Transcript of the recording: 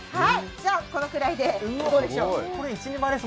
じゃあ、このくらいでどうでしょう。